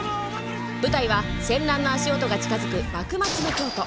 舞台は、戦乱の足音が近づく幕末の京都。